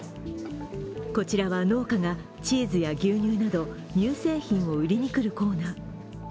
こちらは、農家がチーズや牛乳など乳製品を売りにくるコーナー。